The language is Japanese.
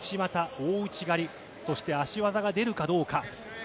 大内刈り、そして、足技が出るかどうか。